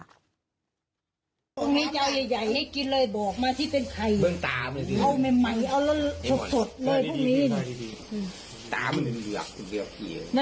พรุ่งนี้จะเอาใหญ่ให้กินเลยบอกมาที่เป็นใครเอาใหม่เอาสดเลยพรุ่งนี้